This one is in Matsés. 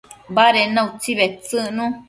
baded na utsi bedtsëcnu